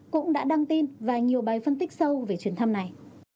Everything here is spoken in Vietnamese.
cũng đã đăng tin và nhiều bài phân tích sâu về chuyến thăm này